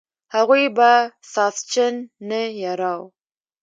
هغوی به ساسچن نه یراو.